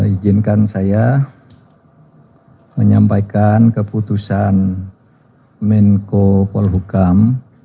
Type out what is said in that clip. izinkan saya menyampaikan keputusan menko polhukam